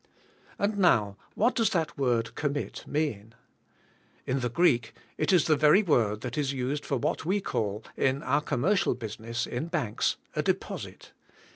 And now what does that word "commit" mean? In the Greek it is the very word that is used for what we call, in our commercial business, in banks, a deposit.